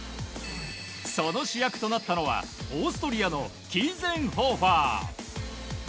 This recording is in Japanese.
その主役となったのはオーストリアのキーゼンホーファー。